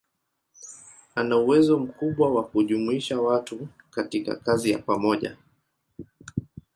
Ana uwezo mkubwa wa kujumuisha watu katika kazi ya pamoja.